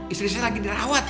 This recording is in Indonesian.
istri saya lagi dirawat